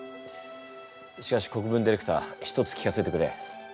しかし国分ディレクター一つ聞かせてくれ。